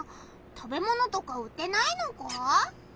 食べ物とか売ってないのか？